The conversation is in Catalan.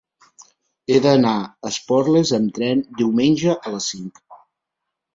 He d'anar a Esporles amb tren diumenge a les cinc.